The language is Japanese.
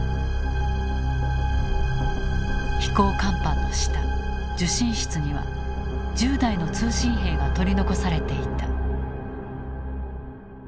飛行甲板の下受信室には１０代の通信兵が取り残されていた。